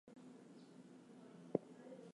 Whitgift's theological views were controversial.